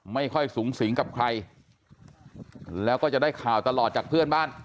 ไม่ค่อยสูงสิงกับใครแล้วก็จะได้ข่าวตลอดจากเพื่อนบ้าน